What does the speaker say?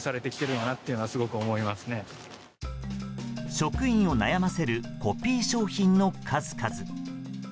職員を悩ませるコピー商品の数々。